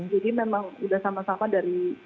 jadi memang udah sama sama dari